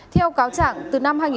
theo cáo trạng từ năm hai nghìn một mươi